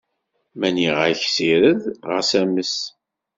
Ma nniɣ-ak ssired, xas ames.